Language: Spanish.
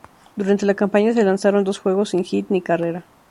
Durante la campaña se lanzaron dos juego sin hit ni carrera.